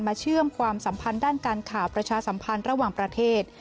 เชื่อมความสัมพันธ์ด้านการข่าวประชาสัมพันธ์ระหว่างประเทศ